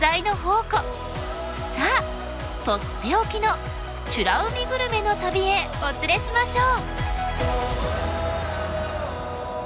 さあとっておきの美ら海グルメの旅へお連れしましょう！